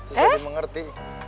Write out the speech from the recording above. susah di mengerti